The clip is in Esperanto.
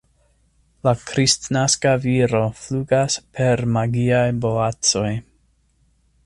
La kristnaska viro flugas per magiaj boacoj.